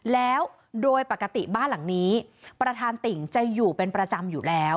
แล้วโดยปกติบ้านหลังนี้ประธานติ่งจะอยู่เป็นประจำอยู่แล้ว